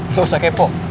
lo gak usah kepo